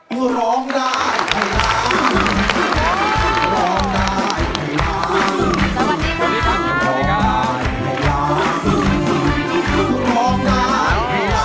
สวัสดีครับ